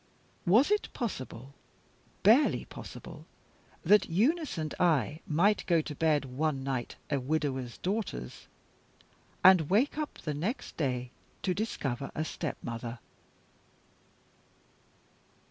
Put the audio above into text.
Was it possible, barely possible, that Eunice and I might go to bed, one night, a widower's daughters, and wake up the next day to discover a stepmother?